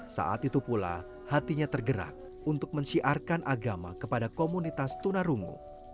saat itu pula hatinya tergerak untuk mensyiarkan agama kepada komunitas tunarungu